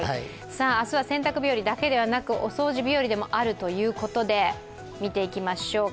明日は洗濯日和だけではなくお掃除日和でもあるということで見ていきましょうか。